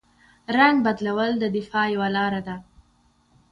رنګ بدلول د دفاع یوه لاره ده